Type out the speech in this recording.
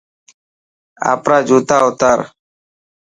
آپرا جوتا اوتار.